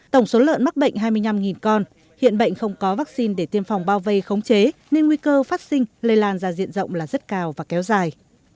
tổng số lợn mắc bệnh hai mươi năm con hiện bệnh không có vaccine để tiêm phòng bao vây khống chế nên nguy cơ phát sinh lây lan ra diện rộng là rất cao và kéo dài